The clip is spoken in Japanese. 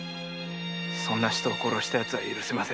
そんな人を殺したやつは許せません。